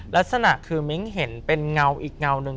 ลักษณะคือมิ้งเห็นเป็นเงาอีกเงาหนึ่ง